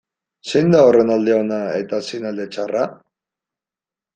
Zein da horren alde ona eta zein alde txarra?